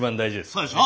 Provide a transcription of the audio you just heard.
そうでしょ？